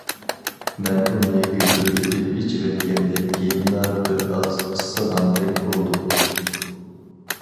مەن ئۇنى گۈپۈلدىتىپ ئىچىۋەتكەندىن كېيىنلا بىر ئاز ئىسسىغاندەك بولدۇم.